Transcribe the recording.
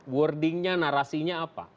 wordingnya narasinya apa